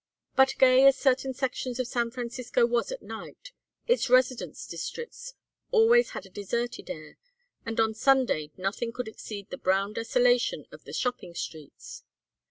But gay as certain sections of San Francisco was at night, its residence districts always had a deserted air, and on Sunday nothing could exceed the brown desolation of the shopping streets.